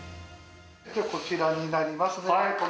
こちらになりますね。